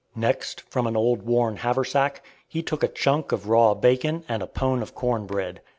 Next, from an old worn haversack, he took a "chunk" of raw bacon and a "pone" of corn bread.